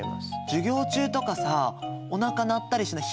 授業中とかさおなか鳴ったりしない？